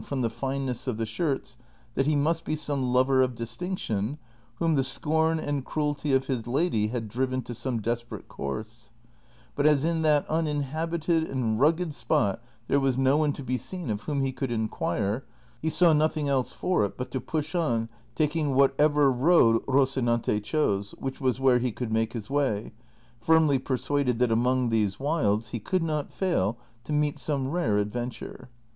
175 from the iiueuess of the shirts, that he must be some hjvev of distinction whom the scorn and cruelty of his lady had driven to some desperate course ; but as in that uninhabited and rugged spot there was no one to be seen of whom he could in quire, he saw nothing else for it but to push on taking what ever road Rocinante chose — which was where he could make his way — firmly persuaded that among these wilds he could not fail to meet some rare adventure.